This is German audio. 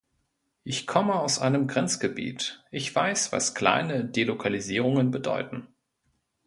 Ich komme aus einem Grenzgebiet, ich weiß, was kleine Delokalisierungen bedeuten.